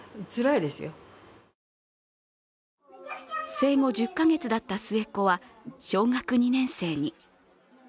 生後１０か月だった末っ子は小学２年生に。